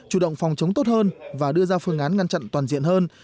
chủ động phòng chống tốt hơn và đưa ra phương án ngăn chặn toàn diện hơn